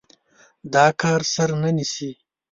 دا کار سر نه نيسي.